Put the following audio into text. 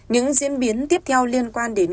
những diễn biến tiếp theo liên quan đến